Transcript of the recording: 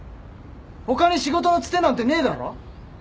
他に仕事のつてなんてねえだろ？